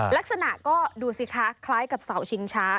ลักษณะก็ดูสิคะคล้ายกับเสาชิงช้า